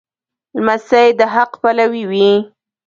لمسی د حق پلوی وي.